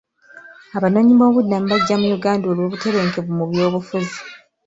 Abanoonyiboobubudamu bajja mu Uganda olw'obutebenkevu mu byobufuzi.